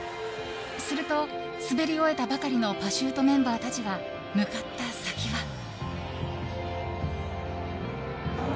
すると、滑り終えたばかりのパシュートメンバーたちが向かった先は。